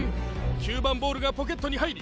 ９番ボールがポケットに入り